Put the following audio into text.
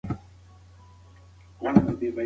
مه وایئ چې سبا.